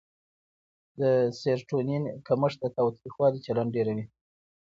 د سېرټونین کمښت د تاوتریخوالي چلند ډېروي.